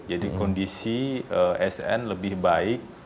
jadi kondisi sn lebih baik